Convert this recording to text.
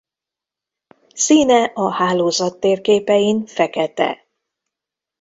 Színe a hálózat térképein fekete.